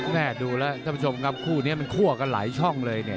แม่ดูแล้วสมชมกับคู่นี้มันคั่วก็หลายช่องเลยเนี่ย